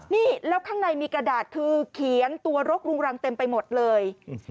นี่แล้วข้างในมีกระดาษคือเขียนตัวรกรุงรังเต็มไปหมดเลย